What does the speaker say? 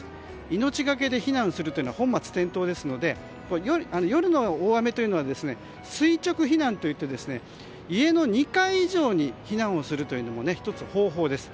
命がけで避難するというのは本末転倒ですので夜の大雨というのは垂直避難といって家の２階以上に避難をするというのも１つ方法です。